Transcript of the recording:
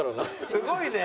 すごいね。